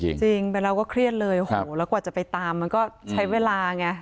สวยจริงจริงไปแล้วก็เครียดเลยแล้วกว่าจะไปตามมันก็ใช้เวลาไง